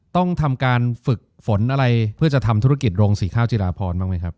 ต้องทำการฝึกฝนอะไรเพื่อจะทำธุรกิจโรงสีข้าวจิราพรบ้างไหมครับ